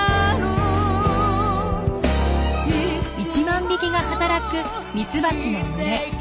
１万匹が働くミツバチの群れ。